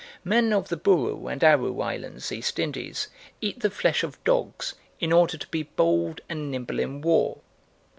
Men of the Buru and Aru Islands, East Indies, eat the flesh of dogs in order to be bold and nimble in war.